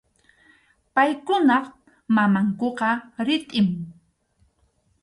Paykunap mamankuqa ritʼim.